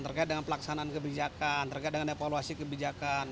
terkait dengan pelaksanaan kebijakan terkait dengan evaluasi kebijakan